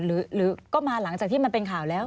หรือก็มาหลังจากที่มันเป็นข่าวแล้ว